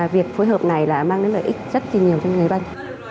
việc phối hợp này là mang đến lợi ích rất nhiều cho người bệnh